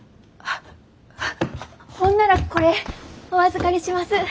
ああっほんならこれお預かりします。